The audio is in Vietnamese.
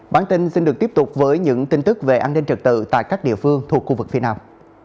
bản tin xin được tiếp tục với những tin tức về an ninh trật tự tại các địa phương thuộc khu vực phía nam